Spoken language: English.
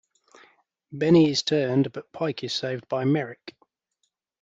Benny is turned but Pike is saved by Merrick.